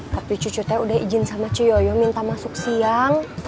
tapi cucu teh udah izin sama cu yoyo minta masuk siang